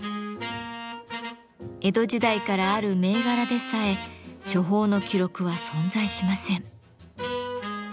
江戸時代からある銘柄でさえ処方の記録は存在しません。